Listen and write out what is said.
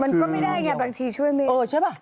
มันก็ไม่ได้อย่างนี้บางทีช่วยไม่